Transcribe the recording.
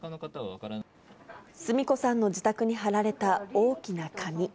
スミ子さんの自宅に貼られた大きな紙。